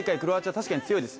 確かに強いです。